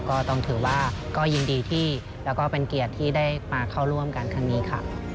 ก็ต้องถือว่าก็ยินดีที่แล้วก็เป็นเกียรติที่ได้มาเข้าร่วมกันครั้งนี้ค่ะ